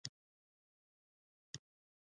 آیا دوی چرمي کڅوړې نه جوړوي؟